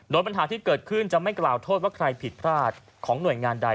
โดยปัญหาที่เกิดขึ้นจะไม่กล่าวโทษว่าใครผิดพลาดของหน่วยงานใด